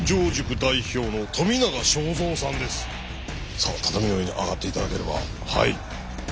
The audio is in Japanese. さあ畳の上に上がって頂ければ。